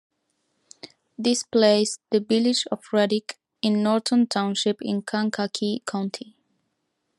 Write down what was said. This placed the Village of Reddick in Norton Township in Kankakee County.